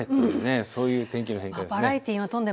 そういう天気の変化です。